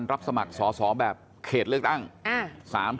การสอบส่วนแล้วนะ